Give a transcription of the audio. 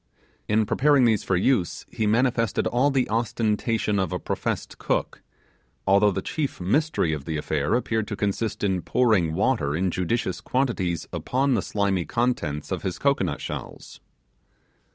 In preparing these for use he manifested all the ostentation of a professed cook, although the chief mystery of the affair appeared to consist in pouring water in judicious quantities upon the slimy contents of his cocoanut shells.